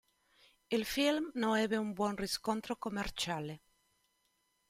Il film non ebbe un buon riscontro commerciale.